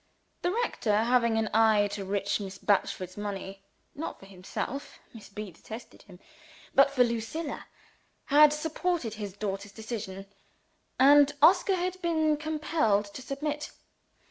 The rector having an eye to rich Miss Batchford's money not for himself (Miss B. detested him), but for Lucilla had supported his daughter's decision; and Oscar had been compelled to submit.